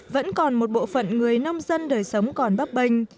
vẫn còn một bộ phận người nông dân đời sống còn bắp bênh